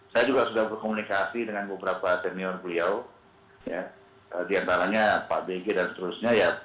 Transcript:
saya juga sudah berkomunikasi dengan beberapa senior beliau diantaranya pak bg dan seterusnya ya